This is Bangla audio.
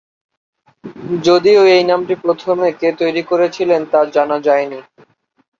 যদিও এই নামটি প্রথমে কে তৈরি করেছিলেন তা জানা যায়নি।